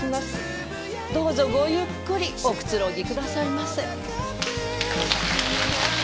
どうぞごゆっくりおくつろぎくださいませ。